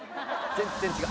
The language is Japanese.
全然違う。